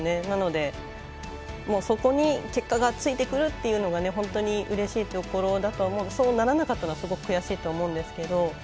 なので、そこに結果がついてくるっていうのが本当にうれしいところだと思うのでそうならなかったのは悔しいと思うんですけど。